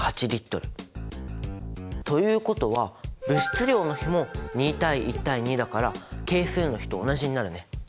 ということは物質量の比も２対１対２だから係数の比と同じになるね。